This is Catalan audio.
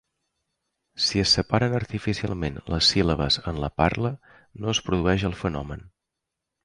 Si se separen artificialment les síl·labes en la parla, no es produeix el fenomen.